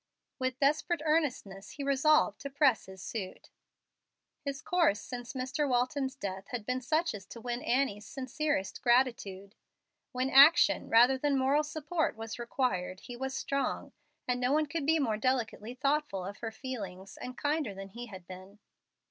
With desperate earnestness he resolved to press his suit. His course since Mr. Walton's death had been such as to win Annie's sincerest gratitude. When action rather than moral support was required, he was strong, and no one could be more delicately thoughtful of her feelings and kinder than he had been.